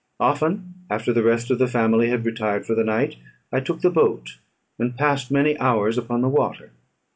Often, after the rest of the family had retired for the night, I took the boat, and passed many hours upon the water.